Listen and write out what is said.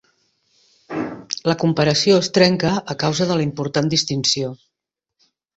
La comparació es trenca a causa de la important distinció.